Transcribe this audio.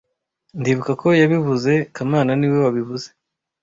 Ndibuka ko yabivuze kamana niwe wabivuze